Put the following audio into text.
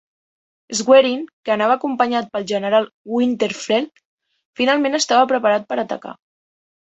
Schwerin, que anava acompanyat pel general Winterfeldt, finalment estava preparat per atacar.